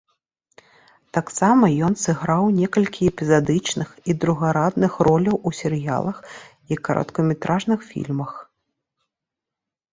Таксама ён сыграў некалькі эпізадычных і другарадных роляў у серыялах і кароткаметражных фільмах.